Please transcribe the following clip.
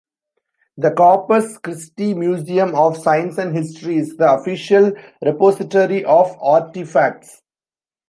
The Corpus Christi Museum of Science and History is the official repository of artifacts.